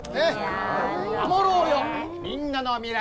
「守ろうよみんなの未来